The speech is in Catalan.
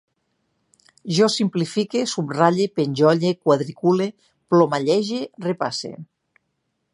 Jo simplifique, subratlle, penjolle, quadricule, plomallege, repasse